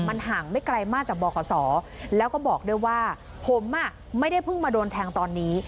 มันห่างไม่ไกลมากจากบขศแล้วก็บอกด้วยว่าผมไม่ได้เพิ่งมาโดนแทงตอนนี้